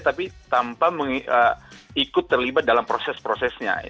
tapi tanpa ikut terlibat dalam proses prosesnya